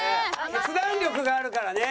決断力があるからね。